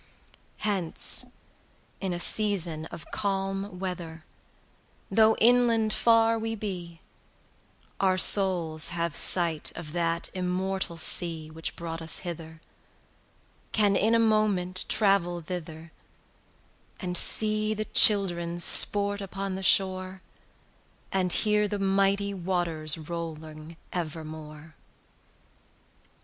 165 Hence in a season of calm weather Though inland far we be, Our souls have sight of that immortal sea Which brought us hither, Can in a moment travel thither, 170 And see the children sport upon the shore, And hear the mighty waters rolling evermore.